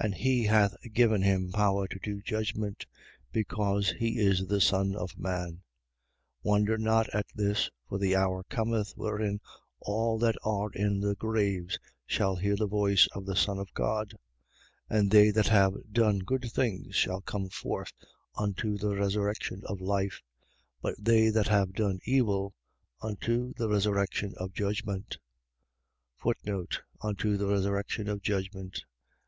5:27. And he hath given him power to do judgment, because he is the Son of man. 5:28. Wonder not at this: for the hour cometh wherein all that are in the graves shall hear the voice of the Son of God. 5:29. And they that have done good things shall come forth unto the resurrection of life: but they that have done evil, unto the resurrection of judgment. Unto the resurrection of judgment.